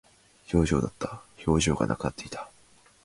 表情だった。表情がなくなっていた。